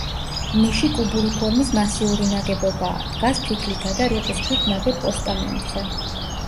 ნიში კუბური ფორმის მასიური ნაგებობაა, დგას ფიქლითა და რიყის ქვით ნაგებ პოსტამენტზე.